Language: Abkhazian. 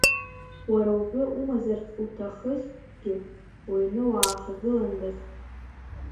Уара утәы умазарц уҭахызҭгьы, уҩны уаахагыландаз.